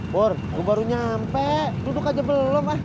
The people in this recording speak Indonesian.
pur gue baru nyampe duduk aja belum ah